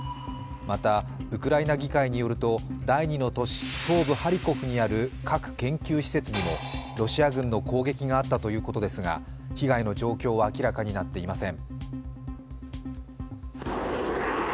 また、ウクライナ議会によると、第２の都市、東部ハリコフにある核研究施設にもロシア軍の攻撃があったということですが、被害の状況は明らかになっていません。